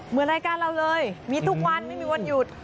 เหมือนรายการเราเลยมีทุกวันไม่มีวันหยุด